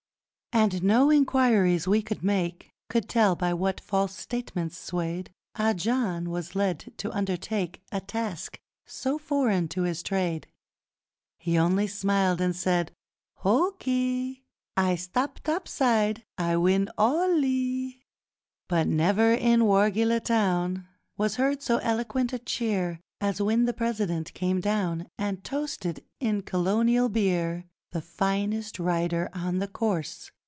And no enquiries we could make Could tell by what false statements swayed Ah John was led to undertake A task so foreign to his trade! He only smiled and said, 'Hoo Ki! I stop topside, I win all 'li!' But never, in Wargeilah Town, Was heard so eloquent a cheer As when the President came down, And toasted, in Colonial Beer, 'The finest rider on the course!